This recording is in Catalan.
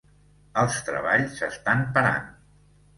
Els treballs s"estan parant.